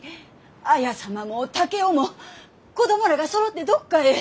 綾様も竹雄も子供らがそろってどっかへ！